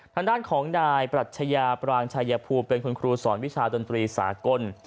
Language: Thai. ทางด้านของนายปรัชญาปรางชายภูมิเป็นคุณครูสอนวิชาดนตรีสากล